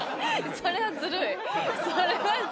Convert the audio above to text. それはずるい！